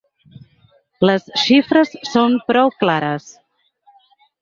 Les xifres són prou clares.